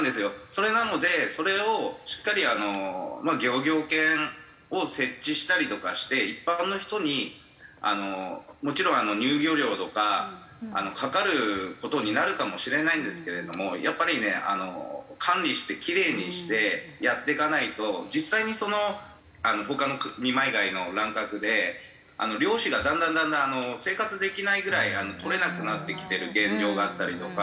それなのでそれをしっかり漁業権を設置したりとかして一般の人にもちろん入漁料とかかかる事になるかもしれないんですけれどもやっぱりね管理してキレイにしてやっていかないと実際に他の二枚貝の乱獲で漁師がだんだんだんだん生活できないぐらい採れなくなってきてる現状があったりとか。